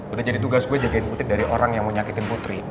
udah jadi tugas gue jagain putri dari orang yang mau nyakitin putri